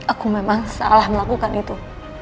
aku memang salah melakukan itu